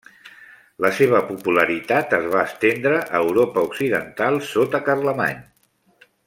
La seva popularitat es va estendre a Europa occidental sota Carlemany.